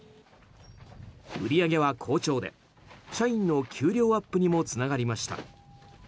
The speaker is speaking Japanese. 売り上げは好調で社員の給料アップにもつながりました。